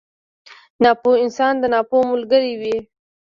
ناپوه انسان د ناپوه ملګری وي.